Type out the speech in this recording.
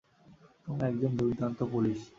তুমি একজন দুর্দান্ত পুলিশ।